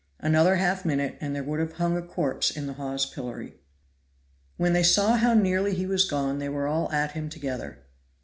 Another half minute and there would have hung a corpse in the Hawes pillory. When they saw how nearly he was gone they were all at him together.